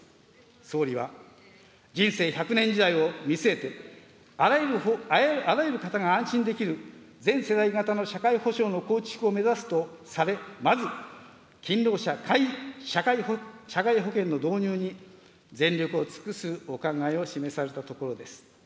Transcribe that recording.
総理は人生１００年時代を見据えて、あらゆる方が安心できる全世代型の社会保障の構築を目指すとされ、まず勤労者皆社会保険の導入に全力を尽くすお考えを示されたところです。